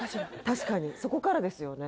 確かにそこからですよね